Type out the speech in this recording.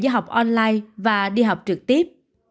đi học online và đi học trực tiếp